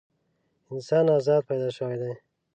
انسان ازاد پیدا شوی دی.